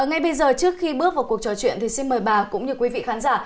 ngay bây giờ trước khi bước vào cuộc trò chuyện thì xin mời bà cũng như quý vị khán giả